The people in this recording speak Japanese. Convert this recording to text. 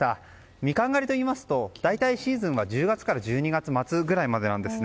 ミカン狩りといいますと大体、シーズンは１０月から１２月末なんですね。